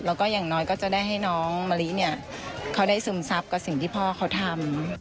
แล้วก็อย่างน้อยก็จะได้ให้น้องมะลิเนี่ยเขาได้ซึมซับกับสิ่งที่พ่อเขาทำ